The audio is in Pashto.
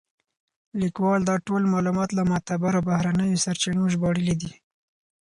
لیکوال دا ټول معلومات له معتبرو بهرنیو سرچینو ژباړلي دي.